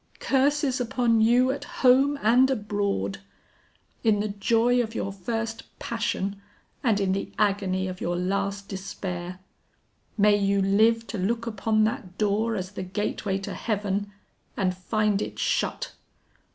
Curses upon you, at home and abroad! in the joy of your first passion and in the agony of your last despair! May you live to look upon that door as the gateway to heaven, and find it shut!